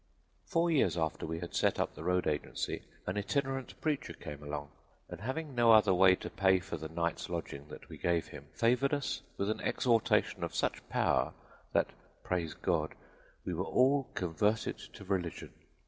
"Four years after we had set up the road agency an itinerant preacher came along, and having no other way to pay for the night's lodging that we gave him, favored us with an exhortation of such power that, praise God, we were all converted to religion.